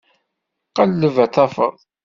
Qelleb ad tafeḍ.